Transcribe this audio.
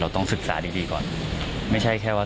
ต้องศึกษาดีดีก่อนไม่ใช่แค่ว่า